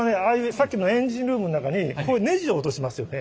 さっきのエンジンルームの中にネジ落としますよね。